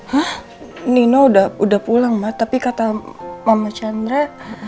hah nino udah pulang mah tapi kata mama chandra